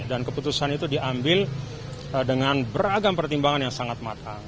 dan keputusan itu diambil dengan beragam pertimbangan yang sangat matang